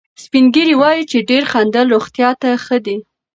سپین ږیري وایي چې ډېر خندل روغتیا ته ښه دي.